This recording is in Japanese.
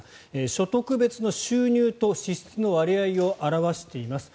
所得別の収入と支出の割合を表しています。